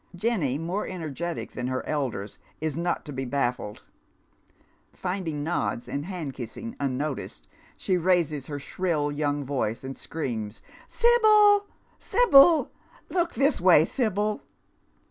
Jenny, more energetic than her elders, is not to be baffled. Finding nods and hand kissing unnoticed, she raises her shrill young voice, and screams, " Sibyl, Sibyl 1 Look this way, Sibyl."